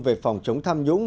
về phòng chống tham nhũng